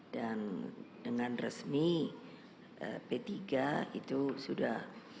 dan dengan resmi p tiga itu sudah